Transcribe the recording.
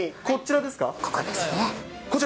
こちらですか？